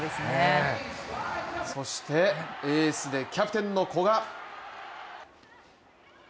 そしてエースでキャプテンの古賀。